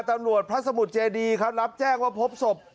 ตำรวจพระสมุทรเจดีครับรับแจ้งว่าพบศพ